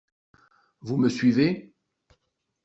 Vous me suivez?